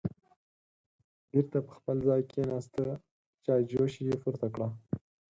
بېرته په خپل ځای کېناسته، چایجوش یې پورته کړه